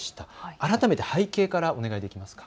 改めて背景からお願いできますか。